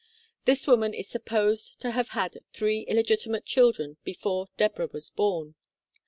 This woman is supposed to have had three illegitimate children before Deborah was born.